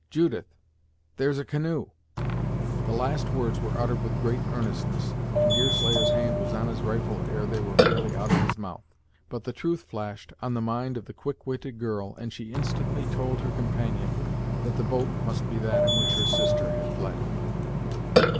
Judith, there's a canoe!" The last words were uttered with great earnestness, and Deerslayer's hand was on his rifle ere they were fairly out of his mouth. But the truth flashed on the mind of the quick witted girl, and she instantly told her companion that the boat must be that in which her sister had fled.